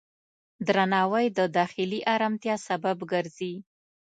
درناوی د داخلي آرامتیا سبب ګرځي.